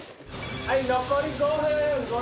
はい残り５分。